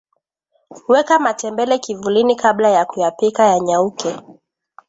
weka matembele kivulini kabla ya kuyapika yanyauke